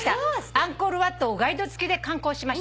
「アンコールワットをガイド付きで観光しました」